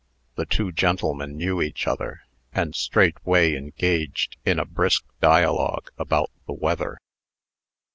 The two gentlemen knew each other, and straightway engaged in a brisk dialogue about the weather.